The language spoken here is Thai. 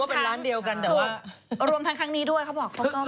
คือรวมทั้งครั้งนี้ด้วยเขาบอกเขาก็